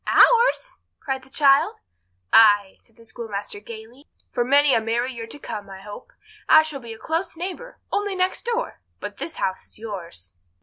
"Ours!" cried the child. "Ay," said the schoolmaster gaily, "for many a merry year to come, I hope. I shall be a close neighbour—only next door; but this house is yours."